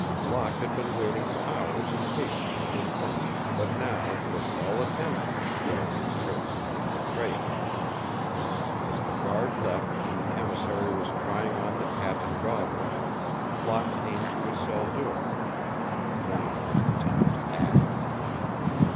Locke had been waiting for hours impatiently on his bunk, but now was all attention, though he was careful not to betray it. As the guard left and the emissary was trying on the cap and goggles, Locke came to his cell door. Now was the time to act.